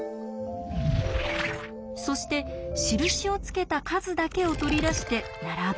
そして印をつけた数だけを取り出して並べます。